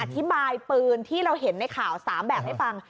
ปืนที่เราเห็นในข่าว๓แบบให้ฟัง